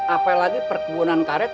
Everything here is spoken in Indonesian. apalagi perkebunan karet